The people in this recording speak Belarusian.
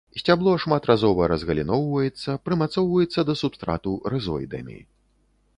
Сцябло шматразова разгаліноўваецца, прымацоўваецца да субстрату рызоідамі.